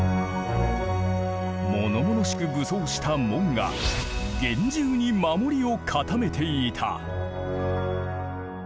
ものものしく武装した門が厳重に守りを固めていた。